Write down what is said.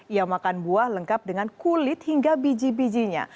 ia makan buah lengkap dengan kulit hingga biji bijinya